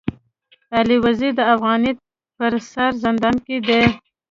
علي وزير د افغانيت پر سر زندان کي دی.